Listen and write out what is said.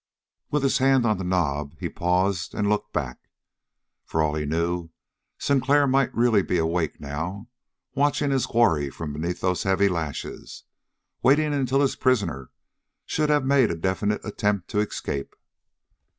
With his hand on the knob, he paused and looked back. For all he knew, Sinclair might be really awake now, watching his quarry from beneath those heavy lashes, waiting until his prisoner should have made a definite attempt to escape.